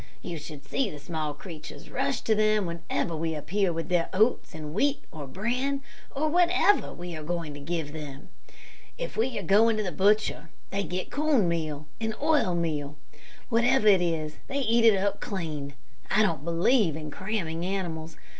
You should see the small creatures rush to them whenever we appear with their oats, and wheat, or bran, or whatever we are going to give them. If they are going to the butcher, they get corn meal and oil meal. Whatever it is, they eat it up clean. I don't believe in cramming animals.